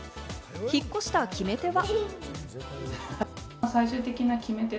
引っ越した決め手は。